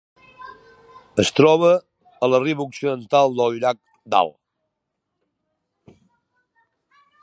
Es troba a la riba occidental del llac Dal.